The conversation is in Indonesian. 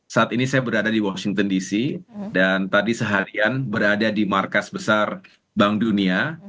saat ini saya berada di washington dc dan tadi seharian berada di markas besar bank dunia